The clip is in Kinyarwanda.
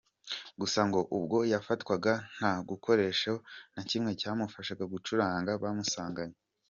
Gusa ngo ubwo yafatwagwa nta gikoresho na kimwe cyo kumufasha gucukura bamusanganye.